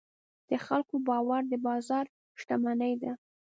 د خلکو باور د بازار شتمني ده.